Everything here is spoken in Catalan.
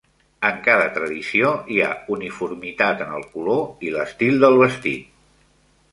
En cada tradició hi ha uniformitat en el color i l'estil del vestit.